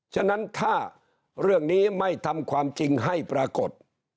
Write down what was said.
ฉะนั้นถ้าเรื่องนี้ไม่ทำความจริงให้ปรากฏ